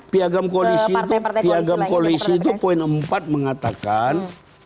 piagam koalisi piagam koalisi itu poin empat mengatakan